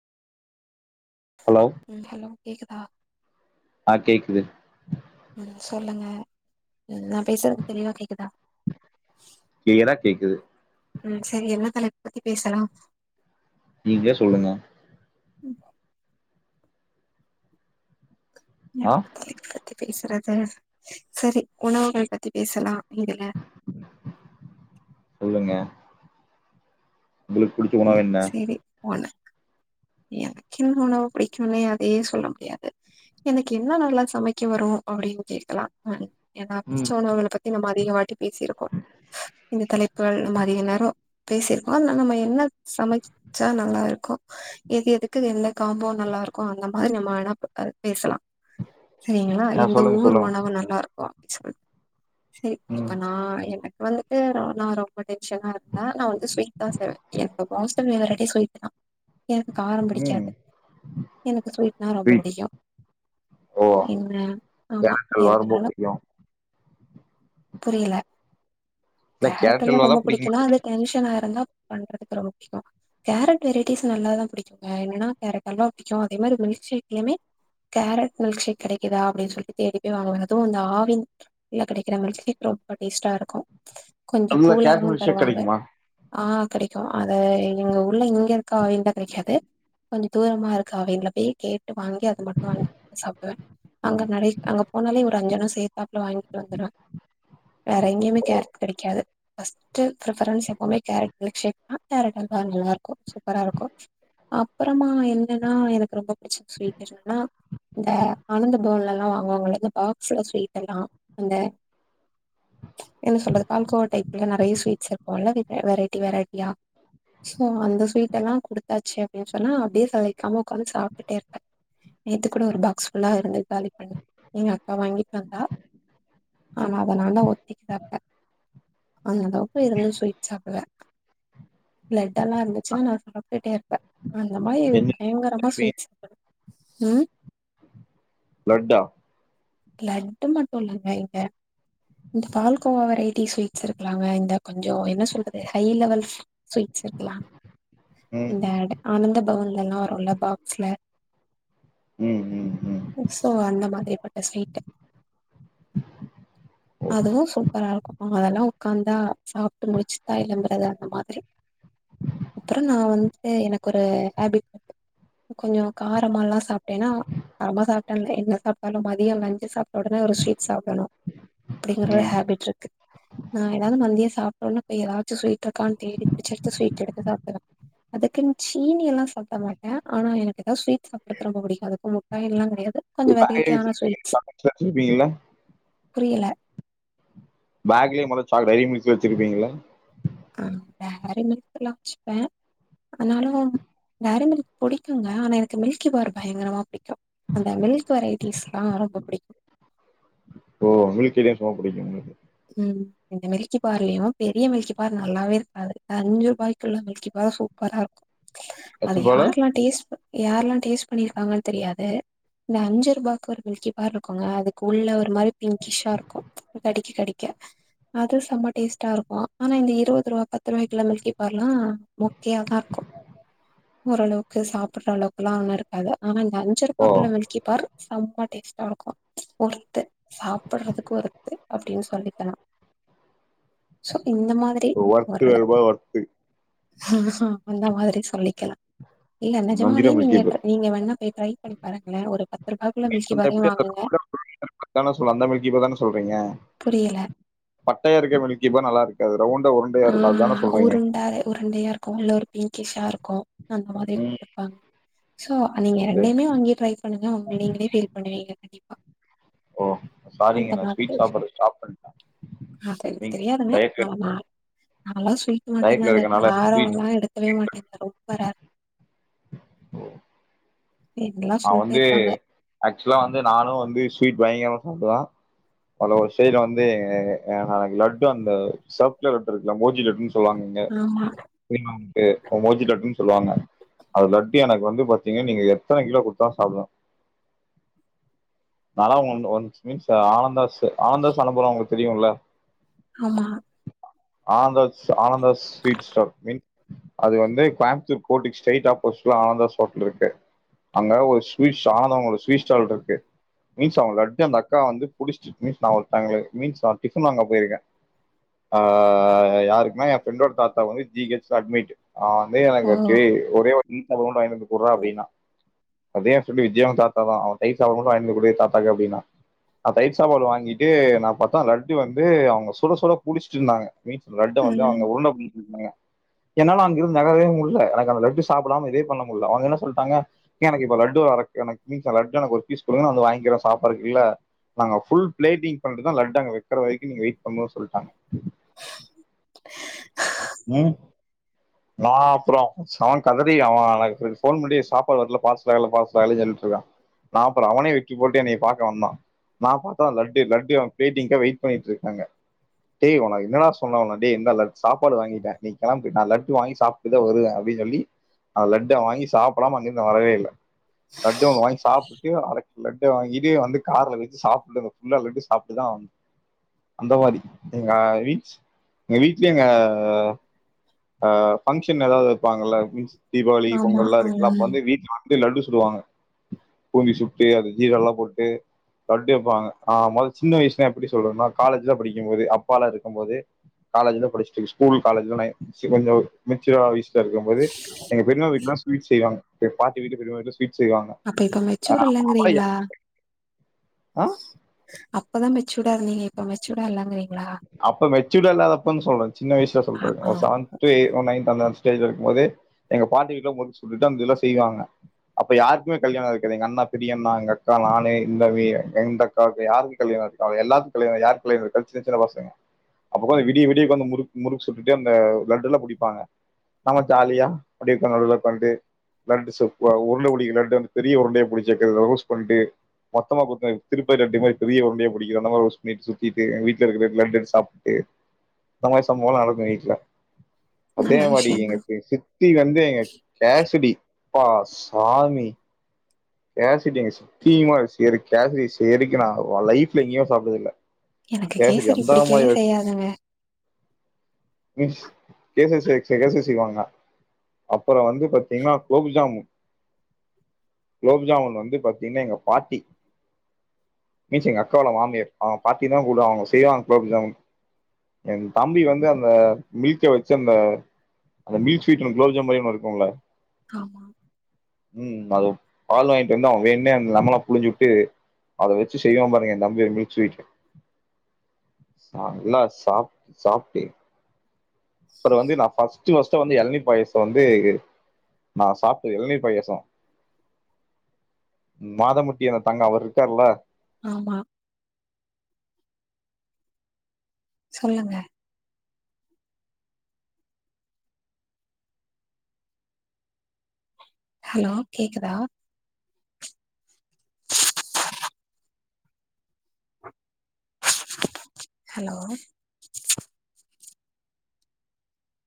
hello ம் hello கேக்குதா ஆ கேக்குது ம் சொல்லுங்க ம் நா பேசுறது தெளிவா கேக்குதா கிளியரா கேக்குது ம் சரி என்ன தலைப் பத்தி பேசலா நீங்ளே சொல்லுங்க ஆ எத பத்தி பேசுறது சரி உணவுகள் பத்தி பேசலா இதுல சொல்லுங்க ‌உங்குளூக் ம் செரி ஒன்னு எனக்கின்ன உணவு பிடிக்கும்னே அதே சொல்ல முடியாது எனக்கு என்ன நல்லா சமைக்க வரூ அப்படின்னு கேக்லா ஏன்னா புடிச்ச ம் உனவங்கள பத் இந்த மாதிரிய ஒரு வாட்டி பேசியிருக்கோ இந்த தலைப்புகள் நம் அதிக நேரம் பேசியிருக்கோ அதனால நம்ம என்ன சமை ச்சா நல்லா இருக்கோ எது எதுக்கு எந்த காம்போ நல்லா இருக்கூ அந்த மாதிரி நம்ம வோனா பேசலா சரிங்களா ஆ எந்த சொல்லுங்க ஊர் சொல்லுங்க உணவு நல்லா இருக்கோ செரி ம் இப்ப நா எனக்கு வந்துட்டு நா ரொம் ரொம்ப டென்ஷனா இருந்தே நா வந்து ஸ்வீ்ட் தா செய்வே என்னோட ஹாஸ்டல் ஃபேவரைடே ஸ்வீ்ட் தா எனக்கு காரம் ம் பிடிக்காது எனக்கு ஸ்வீட்னா ரொம்ப ஸ்வீட் புடிக்கும் ஓ என்ன ஆமா கேரட் அல்வா ரொம்ப எதனாலூ புடிக்கு புரியல இல்ல கேரட் கேரட்டெல்லா அல்வா தா ரொம்ப புடிக்குமா புடிக்கும்னா அது டென்ஷனா இருந்தா பண்றதுக்கு ரொம்ப புடிக்கூ கேரட் வெரைட்டிஸ் நல்லா தா பிடிக்கும்ங்க என்னன்னா கேரட் அல்வா பிடிக்கூ அதே மாதிரி மில்க் ஷேக் எலேமே கேரட் மில்க் ஷேக் கெடைக்குதா அப்டின்னு சொல்லி தேடிப்போய் வாங்குவங்க அதுவூ அந்த ஆவின் இல்ல கெடைக்கிற மில்க் ஷேக் ரொம்ப டேஸ்ட்டா இருக்கூ கொஞ்சொ நல்ல கேரட் கூலாவூ மில்க் ஷேக் தருவாங்க கெடைக்குமா ஆ கெடைக்கூ அது ‌இங்க உள்ள இங்க இருக்கா வெந்தா கெடைக்காது கொஞ்சொ தூரமா இருக்கா அவிங்ல பேய் கேட் கேட்டு வாங்கி அது மட்டும் வாங்கி சாப்டுவ அங்க ம் நெறய அங்க போனாலே ஒரு அஞ்சனு சேத் தாப்ல வாங்கிட்டு வந்துருவ வேற எங்கியுமே கேரட் கெடைக்காது ஃபஸ்ட் பிரிஃபரன்ஸ் எப்பமே கேரட் மில்க் ஷேக் தா கேரட் அல்வா நல்லாருக்கு சூப்பரா இருக்கு அப்றமா என்னன்னா எனக்கு ரொம்ப பிடிச்ச ஸ்வீட் ரெசிபி என்னன்னா இந்த அனந்த பவன்லல்லா வாங்குவாங்க இந்த பால்கோவா ஸ்வீடல்லாம் அந்த என்ன சொல்றது பால்கோவ டைப்ல நெறைய ஸ்வீட்ஸ் இருக்குல வெரை ட்டி வெரைட்டியா ஸோ அந்தஸ்வீட்டெலா குடுத்தாச்சி அப்ப சொன்னா அப்டே சளைக்காம உக்காந்து சாப்டுட்டே இருப்ப நேத்து கூட ஒரு பாக்ஸ்ஃபுல்லா இருந்தது காலி எங்க அக்கா வாங்கித்தந்தா ஆனா அதனால ஒத்திக்கு ரெட்ட அந்த அளவுக்கு இருந்து ஸ்வீட் சாப்டுவே லட்டெல்லா இருந்துச்சுன்னா நா சாப்டுட்டே இருப்ப அந்த மாரி என்ன பயங்கரமா விரும்புவீங்க ஸ்வீட்ஸ் சாப்புடுவ ம் லட்டா லட்டு மட்டு இல்லங்க இங்க இந்த பால்கோவா வெரைட்டி ஸ்வீட்ஸ் இருக்கலாங்க இந்த கொஞ்சோ என்ன சொல்றது ஹை லெவல் ஸ்வீட்ஸ் இருக்குல ம் இந்த ஆனந்த பவன்லல்லா வரும்ல பாக்ஸ்ல ம் ம் ம் சோ அந்த மாதிரி பட்ட ஸ்வீட் ஓ அதுவு சூப்பரா இருக்கு அதெல்லா உக்காந்தா சாப்ட்டு முடிச்சுதா எளம்புறது அந்த மாதிரி அப்பறோ நா வந்து எனக்கு ஒரு ஹேபிட்ருக்கு கொஞ்சோ காரமல்லா சாப்ட்டேன்னா காரமா சாப்ட்டேன் இல்ல என்ன சாப்ட்டாலு மதியோ லஞ் சி சாப்பிட்ட ஒடனே ஒரு ஸ்வீட் சாப்டணு அப்டிங்கற ஒரு ம் ஹேபிட் இருக்கு நா எதாவது மதிய சாப்ட்டோன்னே போய் எதாச்சும் ஸவீட் இருக்கான்னு தேடி புடிச்சு எடுத்து ஸ்வீட் எடுத்து சாப்டுவே அதுக்குன் சீனியெல்லா சாப்ட மாட் ட ஆனா எனக்கு எதா ஸ்வீட் சாப்டறது ரொம்ப புடிக்கு அது முட்டாயெல்லா கெடையாது கொஞ்சோ வெரைட்டியான ஸ்வீட் லட்சுமி பி இல்ல புரியல பேக்ல மொத சாக்லேட் டைரி மில்க் வெச்சிருப்பீங்ள ஆ வேற மத்தலாம் வெச்சுப்ப ஆனாலு வேற எனக்கு புடிக்குங்க ஆனா எனக்கு மில்கி பார் பயங்கரமா புடிக்கு அந்த மில்க் வெரைட்டிஸ்ல்லா ரொம்ப புடிக்கு ஓ மில்க் ஐட்டம்ஸ் ரொம்ப புடிக்கு உங்களுக்கு ம் இந்த மில்கி பார்லயு பெரிய மில்கி பார் நல்லாவே இருக்காது அஞ்சு ரூபாய்க்குள்ள மில்கி பார் சூப்பரா இருக் அது எத்தன ரூவால யாரெல்லா டேஸ்ட் யாரெல்லா டேஸ்ட் பண்ணிருக்காங்கன்னு தெரியாது இந்த அஞ்சு ரூபாய்க்கு ஒரு மில்கி பார் இருக்குங்க அதுக்கு உள்ள ஒரு மாதிரி பிங்கிஷ்ஷா இருக்கு கடிக்க கடிக் க அது செம்ம டேஸ்ட்டா இருக்கு ஆனா இந்த இருபது ரூபா பத்து ரூபாய் குள்ள மில்கி பார்ல்லா மொக்கயாதா இருக்கு ஓரளவுக்கு சாப்படற அளவுக்குல்லா ஒண்ணு இருக்காது ஆனா இந்த அஞ்சு ஓ ரூபாய்க்குள்ள மில்கி பார் செம்ம டேஸ்ட்டா இருக்கு ஒர்த்து சாப்பட்றதுக்கு ஒர்த்து அப்டின்னு சொல்லி ல சோ இந்த மாதிரி ஒர்த்து ஏழு ஓரளவு ரூபா ஒர்த்து ஆ ஹா அந்த மாதிரி சொல்லிக்கலா இல்ல அஞ்சு நெஜமாவே ரூபா மில்க் நீங்க கேக்கு நீங்க வேண்ணா போய் ட்ரை பண்ணி பாருங்களே ஒரு பத்து ரூபாய்குள்ள மில்கி அந்த பாரயு எப்படி வாங்குங்க [inaudible] அந்த மில்கி பார் தானே சொல்றீங்க புரில பட்டையா இருக்க மில்கிபார் நல்லா இருக்காது ரவுண்ட உருண்டையா இருக்கு அத்தான சொல்றீங்க வேற உருண்டையா உள்ள ஒரு பிங்கிஷா இருக்கு அந்த மாதிரி ம் குடுத்துருப்பாங் சோ நீங்க சரி ரெண்டையுமே வாங்கி ட்ரை பண்ணுங்க நீங்களே ஃபீல் பண்ணுவீங்க கண்டிப்பா ஓ அந்த சாரிங்க நான் மாதிரி ஸ்வீட் வச்சு சாப்பிட்றது ஸ்டாப் பண்ணிட்டேன் அது எனக்கு நீங்க தெரியாதுங்க டயட்ல ஆமா நாலா ஸ்வீட் டயட்ல மட்டுந்தாங்க இருக்கனால ஸ்வீட் காரோல்லா எடுக்கவே மாட்டேங்க ரொம்ப ரேர் எல்லா நா சொல்ட்டே வந்து இருப்பாங்க ஆக்சுவலா வந்து நானு வந்து ஸ்வீட் பயங்கரமா சாப்டுவே ஒரு சைல வந்து எனக்கு லட்டு அந்த சவப் கலர் லட்டு இருக்குல மோதி லட்டுன் சொல்வாங்க ஆமா [inaudible] மோதி லட்டுன் சொல்லுவாங்க அது லட்டு எனக்கு வந்து பாத்தீங்க நீங்க எத்தன கிலோ குடு த்தா சாப்டுவ நாலா one once means Anandhaas Anandhaas அனுபறோ உங்களுக்கு தெரியுல ஆமா Anand Anandhas sweet stall mean அது வந்து கோயமுத்தூர் கோட்டுக் ஸ்ட்ரைட் ஆப்போசிட்டில ஆனந்தாஸ் ஹோட்டல் இருக்கு அங்க ஒரு ஸ்வீட்ஸ் ஆனாந்தோ ஸ்வீ்ட் ஸ்டால் இருக்கு மீன்ஸ் அவுங்க லட்டு அந்த அக்கா வந்து புடிச்ட் மீன்ஸ் நா ஒருத்தங்களுக் மீன்ஸ் டிஃபன் வாங்க போயிருக்கே ஆ யாருக்குன்னா என் ஃப்ரெண்டோட தாத்தா வந்து ஜி ஹச்ல அட்மிட் அவன் வந்து ஓ எனக்கு டேய் ஒரே ஒரு [unintelligible] வாய்ன்டு வந்து குட்றா அப்டின்னா அதே ஹாஸ்பிட்டலு விஜயன் தாதா அவன் தயிர் சாதம் மட்டு வாங்கிட்டு வந்து குடு தாத்தாக்கு அப்டினா ஆ தயிர் சாப்பாடு வாங்கிட்டு நா பார்த்தா லட்டு வந்து அவுங்க சுட சுட புடிச்சிட்ருந்தாங்க மீன்ஸ் லட்டு வந்து ம் அவுங்க உருண்ட [inaudible] தாங்க என்னால அங்க இருந்து நகரவே முட்ல எனக்கு அந்த லட்டு சாப்டாம இதே பண்ண முட்ல அவுங்க என்ன சொல்ட்டாங்க எனக்கு இப்ப லட்டு ஒரு அரக் கணக் மீன்ஸ் லட்டு எனக்கு ஒரு பீஸ் குடுங்க நா வந்து வாங்கிற சாப்றக்குள்ள நாங்க ஃபுல் பிளேட்டிங் பண்ட்டு தா லட்டு அங்க வைக்கிற வரைக்கு நீங்க வெயிட் பண்னு சொல்ட்டாங்க [unintelligible] ம் நா அப்புறோ அவன் கதறி அவன் எனக்கு போன் பண்ணி சாப்பாடு வர்ல பார்சல் [unintelligible] நா அப்புற அவனே வெக்கி போட்டு என்னைய பாக்க வந்தா நா பாத்தா லட்டு லட்டு பிளேட்டிங்கா வெயிட் பண்ணிட்ருக்காங்க டேய் உன்ன என்னடா சொன்ன உன்ன டேய் இந்தா லட்டு சாப் பாடு வாங்கிட்ட நீ கெளம்பு நா லட்டு வாங்கி சாப்ட்டுதா வருவ அப்டின் சொல்லி நா லட்ட வாங்கி சாப் படாம அங்க இருந்து வரவே இல்ல லட்டு ஒன்னு வாங்கி சாப்டுட்டு அர கிலோ லட் ட வாங்கி இதே வந்து கார்ல வச்சு சாப்டுட்டு ஃபுல்லா லட்டு சாப்ட்டுதா வந் அந்த மாரி எங்க வீச் எங்க வீட்லே எங்க அ ஃபங்கஷன் ஏதாது வப்பாங்கல்ல மீன்ஸ் தீபாவளி ஆமா பொங்கல்லா இருக்குல அப்ப ம் வந்து வீட்ல லட்டு சுடுவாங்க பூந்தி சுட்டு அது ஜீராலா போட்டு தட்டி வைப்பாங்க ஆ மொதல்ல சின்ன வய்ஸ்ல எப்டி சொல்றோனா காலேஜ்லா படிக்கும் போது அப்பாலா இருக்கும்போது காலேஜ்ல படிச்சுட்டு ஸ்கூல் காலேஜ்ல கொஞ்ச மெச்சுர் ஆன வயசுல இருக்கும் போது எங்க பெரிமா வீட்லா ஸ்வீட் செய்வாங்க எங்க பாட்டி வீட்லயு பெரிமா வீட்லயு ஸ்வீட் செய்வாங்க அப்ப இப்ப மெச்சூர் இல்லங்கறீங்ளா அப்பதா மெச்சூர்டா இருந்தீங்க இப்ப மெச்சூர்டா இல்லங்கிறீங்ளா அப்ப மெச்சூடா இல்லாதப்பன் சொல்ற சின்ன வய்சுல ஆ சொல்றது ஆ ஒரு செவன்த்து டூ எய்த் நைன்த் அந்த ஸ்டேஜ்ல இருக்கும் போது எங்க பாட்டி வீட்ல முருக்கு சுட்டுட்டு அந்த இதுல செய்வாங்க அப்ப யாருக்குமே கல்யாணோ ஆயிருக்காது எங்க அண்ணா பெரியண்ணா எங்க அக்கா நானு இந்தவி ரெண்டக் காவுக்கு யாருக்கு கல்யாணோ அயிருக்காது எல்லாக்கு கல்யாணோ யார் கல்யாணோ களிச்சி இத்தன பசங்க அப்போ உக்காந்து விடிய விடிய உக்காந்து முறுக் முறுக்கு சுட்டுட்டு அந்த லட்டுல்லா புடிப்பாங்க நம்ம ஜாலியா அப்டி இருக்க நடுல உக்காந்து லட்டு சுட்டு உருல புடிக்க லட்டு வந்து பெரிய உருண்டய புடிச்சிட்டு ரோஸ் பண்ட்டு மொத்தமா குத்து திருப்பதி லட்டு மாரி பெரிய உண்டயா புடிக்க அந்த மாரி ஒரு ஸ்வீட் சுத்திட்டு எங் வீட் இருக்க லட் லட் எடுத்து சாப்ட்டு இந்த மாரி சம்பவோலா நடக்கு வீட்ல அதே நல்ல மாரி விஷயந்தா எங்ககு சித்தி வந்து எங்க கேசடி அப்பா சாமி கேசடி எங்க சித்தி மாரி சேரி கேசடி செய்யறக்கி நா லைஃப்ல எங்கயு சாப்டது இல்ல எனக்கு கேசரி பிடிக்கவே செய்யாதுங்க கேசரி செ கேசரி செய்வாங்கா அப்பறோ வந்து பாத்தீங்கன்னா குலோப்ஜாமுன் குலோப் ஜாமுன் வந்து பாத்தீங்கன்னா எங்க பாட்டி மீன்ஸ் எங்க அக்காவோட மாமியார் அவுங்க பாட்டினு தா கூப்டுவ அவுங்க செய்வாங்க குலோப் ஜாமுன் எனக்கு தம்பி வந்து அந்த மில்க்க வெச்சு அந்த அந்த மில்க் ஸ்வீட்னு குலோப்ஜாமுன் மாரியே ஒன்னு இருக்கும்ளா ஆமா ம் அது பால் வாங்கிட்டு வந்து அவ வேனுனே அந்த லெமன புழிஞ்சு விட்டு அத வெச்சு செய்வா பாருங்க எ தம்பி ஒரு மில்க் ஸ்வீட் நல்லா சாப்ட்டு சாப்ட்டு அப்பறோ வந்து நா ஃபர்ஸ்ட் ஃபர்ஸ்ட் வந்து எளனீர் பாயசோ வந்து நா சாப்ட்ட இளநீர் பயாசோ மாதமுட்டி அந்த தங்க அவர் இருக்கார்ல ஆமா சொல்லுங்க ஹலோ கேக்குதா ஹலோ